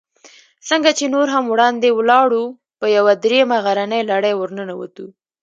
څنګه چې نور هم وړاندې ولاړو، په یوه درېیمه غرنۍ لړۍ ورننوتو.